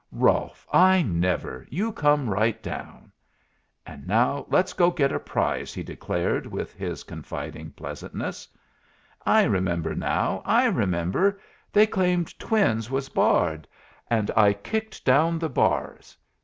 "Rolfe! I never! You come right down." "And now let's go get a prize," he declared, with his confiding pleasantness. "I remember now! I remember! They claimed twins was barred. And I kicked down the bars.